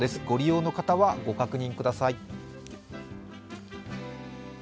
ご利用の方はご確認ください。